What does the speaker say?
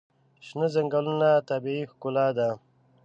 شنه ځنګلونه طبیعي ښکلا ده.